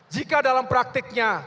jika dalam praktiknya